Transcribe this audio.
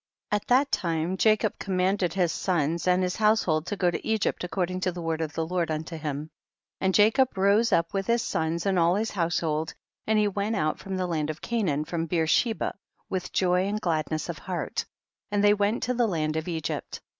5. At that lime Jacob commanded his sons and household to go to Egypt according to the word of the Lord unto him ; and Jacob rose up with his sons and all his household, and he went out from the land of Canaan from Beer sheba, with joy and glad ness of heart, and they went to the land of Egypt.